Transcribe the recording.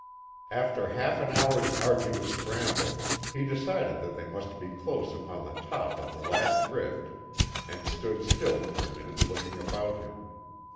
After half an hour's arduous scramble, he decided that they must be close upon the top of the last rift, and stood still for a minute looking about him.